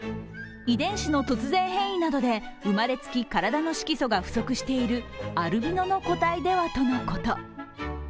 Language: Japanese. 遺伝子の突然変異などで生まれつき体の色素が不足しているアルビノの個体ではとのこと。